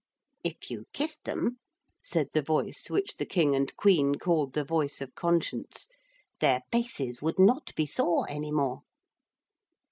'If you kissed them,' said the voice which the King and Queen called the voice of conscience, 'their faces would not be sore any more.'